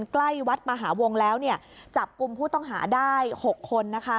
ใกล้วัดมหาวงศ์แล้วจับกลุ่มผู้ต้องหาได้๖คน